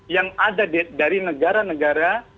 yang ada dari negara negara